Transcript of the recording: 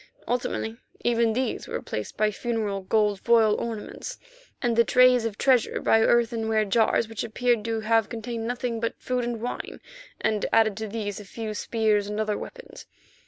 Ultimately even these were replaced by funeral gold foil ornaments, and the trays of treasure by earthenware jars which appeared to have contained nothing but food and wine, and added to these a few spears and other weapons.